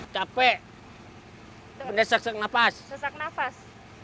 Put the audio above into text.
capek benar benar sesak nafas